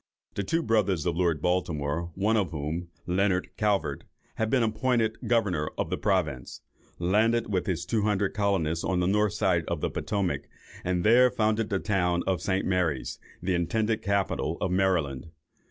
The two brothers of Lord Baltimore, one of whom, Leonard Calvert, had been appointed governor of the province, landed with his two hundred colonists on the north side of the Potomac, and there founded the town of St. Mary's, the intended capital of Maryland.